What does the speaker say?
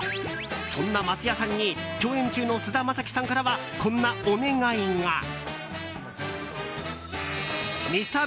そんな松也さんに共演中の菅田将暉さんからはこんなお願いが。